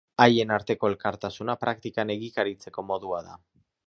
Haien arteko elkartasuna praktikan egikaritzeko modua da.